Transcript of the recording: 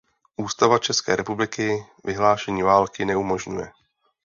Ústava České republiky vyhlášení války neumožňuje.